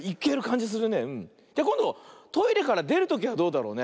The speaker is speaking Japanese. じゃこんどトイレからでるときはどうだろうね。